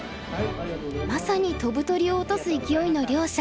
まさに飛ぶ鳥を落とす勢いの両者。